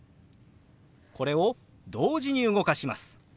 これを同時に動かします。